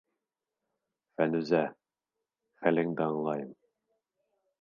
Фәнүзә, хәлеңде аңлайым...